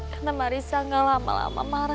kena duit juga ga muncul